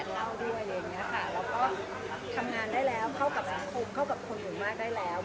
ทำงานได้แล้วเข้ากับสินคมเข้ากับคนผู้มากได้แล้ว